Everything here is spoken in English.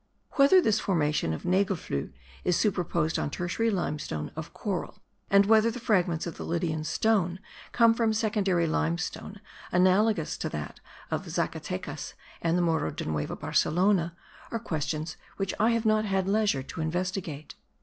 Whether this formation of nagelfluhe is superposed on tertiary limestone of coral, and whether the fragments of the Lydian stone come from secondary limestone analogous to that of Zacatecas and the Moro de Nueva Barcelona, are questions which I have not had leisure to investigate.